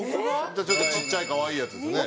じゃあちょっとちっちゃいかわいいやつですね。